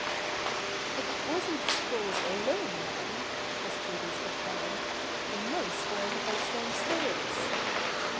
"But it wasn't the squirrels alone, ma'am," was Julie's reply. "The mice were in the house downstairs."